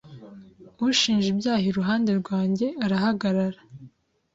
Ushinja ibyaha iruhande rwanjye arahagarara